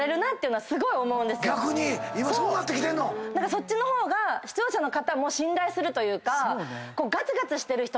そっちの方が視聴者の方も信頼するというか。